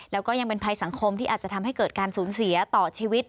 แล้วก็ยังเป็นภัยสังคมที่อาจจะทำให้เกิดการสูญเสียต่อชีวิต